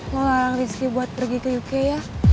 lo larang rizky buat pergi ke uk ya